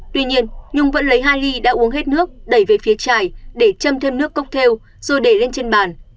tuy nhiên nhung vẫn lấy hai ly đã uống hết nước đẩy về phía trại để châm thêm nước cocktail rồi để lên trên bàn